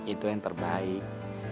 itu yang terbaik